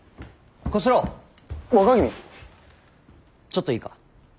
ちょっといいか。